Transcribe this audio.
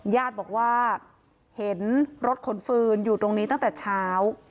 ญาติบอกว่าเห็นรถขนฟืนอยู่ตรงนี้ตั้งแต่เช้า